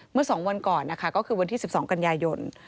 เมื่อ๒วันก่อนนะคะก็คือวันที่๑๒กันยายน